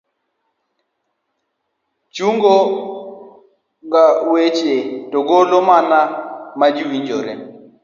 chungo ga weche to golo mana ma owinjore.